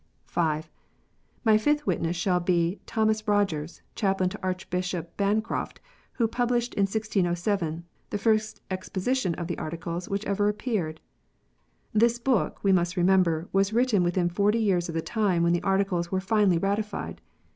(5) My fifth witness shall be Thomas Eogers, chaplain to Archbishop Bancroft, who published in 1607, the first Exposi tion of the Articles which ever appeared. This book, we must remember, was written within forty years of the time when the Articles were finally ratified.